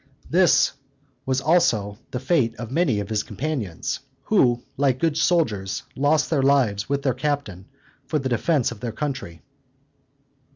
This was also the fate of many of his companions, who, like good soldiers, lost their lives with their captain, for the defense of their country.